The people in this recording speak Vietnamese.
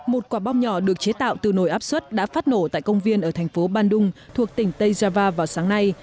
một quả bom nhỏ được chế tạo từ nồi áp suất đã phát nổ tại công viên ở thành phố bandung thuộc tỉnh tây java vào sáng nay